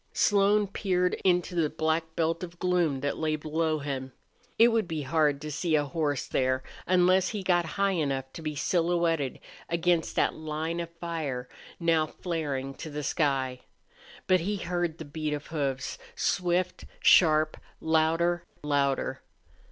Slone peered into the black belt of gloom that lay below him. It would be hard to see a horse there, unless he got high enough to be silhouetted against that line of fire now flaring to the sky. But he heard the beat of hoofs, swift, sharp, louder louder.